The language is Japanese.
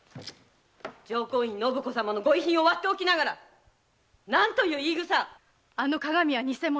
浄光院信子様のご遺品を割っておきながら何という言いぐさあの鏡は偽物。